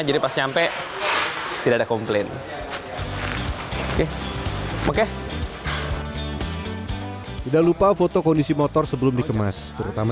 jadi pas nyampe tidak komplain oke oke tidak lupa foto kondisi motor sebelum dikemas terutama